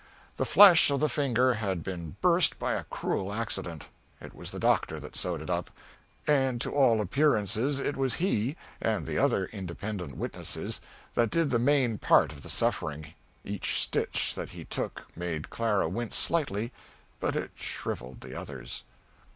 The flesh of the finger had been burst by a cruel accident. It was the doctor that sewed it up, and to all appearances it was he, and the other independent witnesses, that did the main part of the suffering; each stitch that he took made Clara wince slightly, but it shrivelled the others.